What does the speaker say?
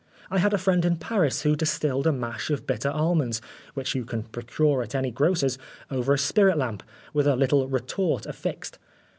I had a friend in Paris who distilled a mash of bitter almonds, which you can procure at any grocer's, over a spirit lamp, with a little retort affixed.